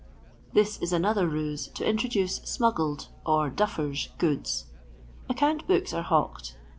This is another ruse to introduce smuggled (or "duffer's") goods. Account books are hawked.